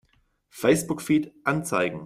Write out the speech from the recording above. Facebook-Feed anzeigen!